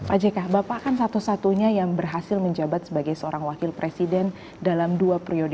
pak jk bapak kan satu satunya yang berhasil menjabat sebagai seorang wakil presiden dalam dua periode